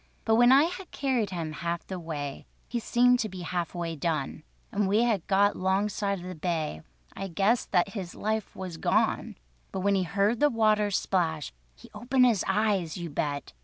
But when I had carried him half the way, He seemed to be half way done, And when we had got 'longside of the bay, I guessed that his life was gone. But when he heard the water splash, He opened his eyes—you bet!